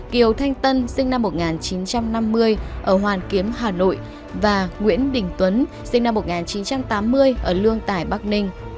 kiều thanh tân sinh năm một nghìn chín trăm năm mươi ở hoàn kiếm hà nội và nguyễn đình tuấn sinh năm một nghìn chín trăm tám mươi ở lương tài bắc ninh